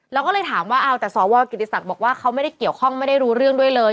แล้วก็เลยถามว่าเอาแต่สวกิติศักดิ์บอกว่าเขาไม่ได้เกี่ยวข้องไม่ได้รู้เรื่องด้วยเลย